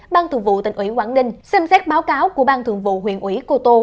bang thường vụ tỉnh ủy quảng ninh xem xét báo cáo của bang thường vụ huyện ủy cô tô